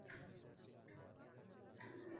Sochlari orasida misoli qumursqa yurdi.